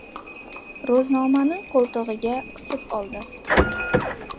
Ro‘znomani qo‘ltig‘iga qisib oldi.